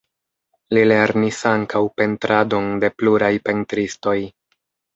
Li lernis ankaŭ pentradon de pluraj pentristoj.